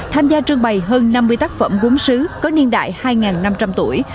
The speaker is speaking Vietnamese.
tham gia trưng bày hơn năm mươi tác phẩm gốm sứ có niên đại hai năm trăm linh tuổi